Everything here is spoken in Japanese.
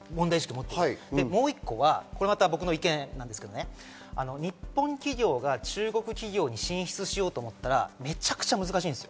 もう一個は僕の意見ですけど、日本企業が中国企業に進出しようと思ったらめちゃくちゃ難しいんです。